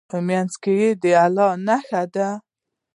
په منځ کې یې د الله نښه ده.